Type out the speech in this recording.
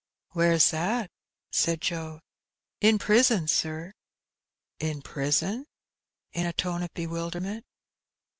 "Where's that?" said Joe. "In prison, sir!" "In prison?" in a tone of bewilderment.